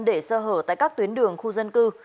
để sơ hở tại các tuyến đường khu dân cư